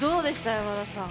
山田さん。